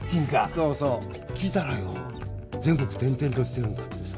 そうそう聞いたらよ全国転々としてるんだってさ